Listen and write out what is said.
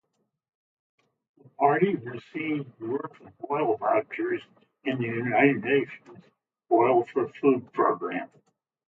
The party received worth of oil vouchers in the United Nations Oil-for-Food Programme.